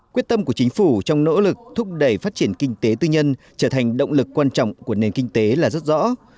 quyết tâm của chính phủ trong nỗ lực thúc đẩy phát triển kinh tế tư nhân trở thành động lực quan trọng của nền kinh tế là rất rõ